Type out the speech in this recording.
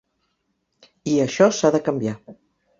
I això s’ha de canviar.